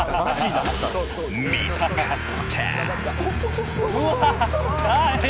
見つかった。